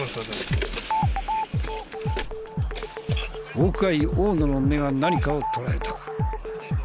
ホークアイ大野の目が何かを捉えた。